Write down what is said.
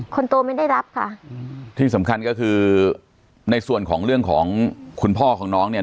คนโตไม่ได้รับค่ะที่สำคัญก็คือในส่วนของเรื่องของคุณพ่อของน้องเนี่ย